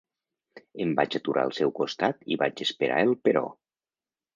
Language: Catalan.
Em vaig aturar al seu costat i vaig esperar el però.